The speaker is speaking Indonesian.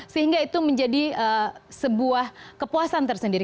sehingga itu menjadi sebuah kepuasan tersendiri